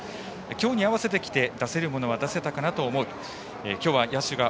今日に合わせてきて出せるものは出せたかなと思う。